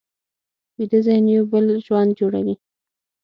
ویده ذهن یو بل ژوند جوړوي